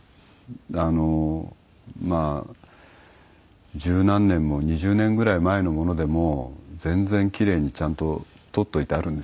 あのまあ十何年も２０年ぐらい前のものでも全然キレイにちゃんと取っておいてあるんですよ。